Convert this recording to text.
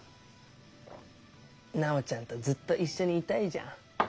楠宝ちゃんとずっと一緒にいたいじゃん。